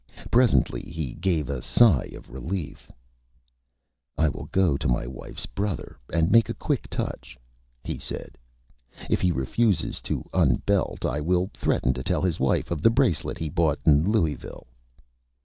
Presently he gave a sigh of Relief. "I will go to my Wife's Brother and make a Quick Touch," he said. "If he refuses to Unbelt I will threaten to tell his Wife of the bracelet he bought in Louisville."